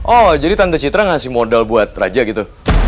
oh jadi tante citra ngasih modal buat raja gitu